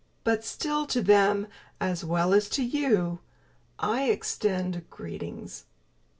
But still, to them, as well as to you, I extend Greetings!